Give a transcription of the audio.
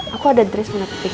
aku ada dress warna pink